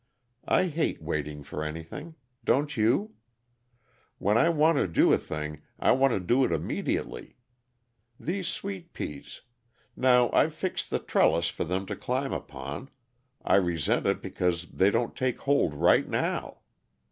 I hate waiting for anything. Don't you? When I want to do a thing, I want to do it immediately. These sweet peas now I've fixed the trellis for them to climb upon, I resent it because they don't take hold right now.